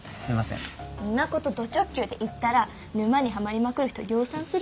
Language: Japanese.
んなことド直球で言ったら沼にハマりまくる人量産するからね。